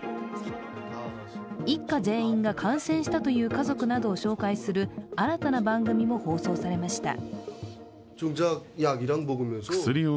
一家全員が感染したという家族などを紹介する新たな番組も放送されました。